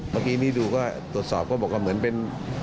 เมื่อกี้นี่ดูก็ตรวจสอบก็บอกว่าเหมือนเป็น